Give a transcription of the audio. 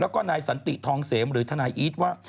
แล้วก็นายสันติทองเสมหรือทนายอีทว่า